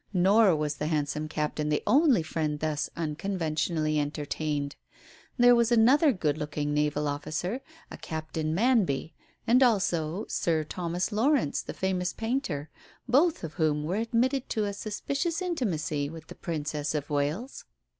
Nor was the handsome captain the only friend thus unconventionally entertained. There was another good looking naval officer, a Captain Manby, and also Sir Thomas Lawrence, the famous painter, both of whom were admitted to a suspicious intimacy with the Princess of Wales.